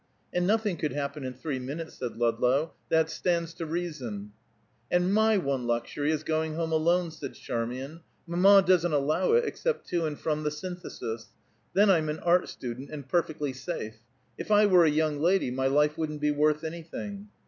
"And nothing could happen in three minutes," said Ludlow. "That stands to reason." "And my one luxury is going home alone," said Charmian. "Mamma doesn't allow it, except to and from the Synthesis. Then I'm an art student and perfectly safe. If I were a young lady my life wouldn't be worth anything."